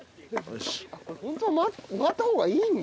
ホントは回った方がいいんだ。